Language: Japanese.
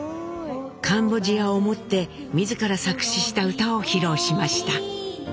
カンボジアを思って自ら作詞した歌を披露しました。